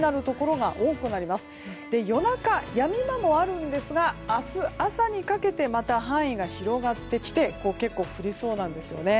夜中、やみ間もあるんですが明日朝にかけてまた範囲が広がってきて結構降りそうなんですよね。